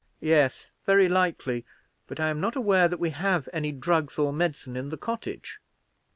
"Yes, very likely; but I am not aware that we have any drugs or medicine in the cottage.